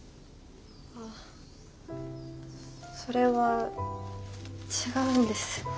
あそれは違うんです。